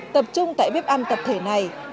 tập trung tại bếp ăn tập thể này